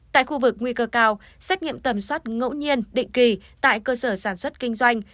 tại khu vực nguy cơ cao xét nghiệm tầm soát ngẫu nhiên định kỳ tại cơ sở sản xuất kinh doanh